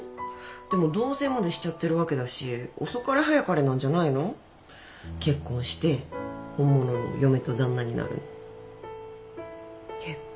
でも同棲までしちゃってるわけだし遅かれ早かれなんじゃないの？結婚して本物の嫁と旦那になるの。結婚？